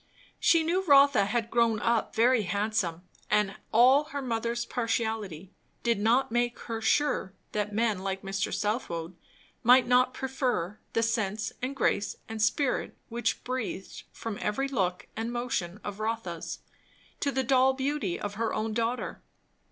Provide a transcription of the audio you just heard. She knew Rotha had grown up very handsome; and all her mother's partiality did not make her sure that men like Mr. Southwode might not prefer the sense and grace and spirit which breathed from every look and motion of Rotha's, to the doll beauty of her own daughter.